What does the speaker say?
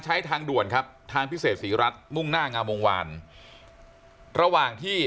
ทางด่วนครับทางพิเศษศรีรัฐมุ่งหน้างามวงวานระหว่างที่